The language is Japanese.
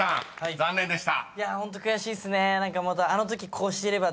［残念でした］